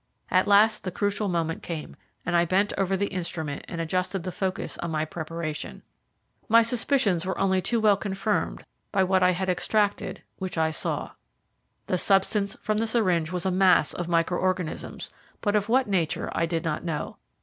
At last the crucial moment came, and I bent over the instrument and adjusted the focus on my preparation. My suspicions were only too well confirmed by which I had extracted what I saw. The substance from the syringe was a mass of micro organisms, but of what nature I did not know.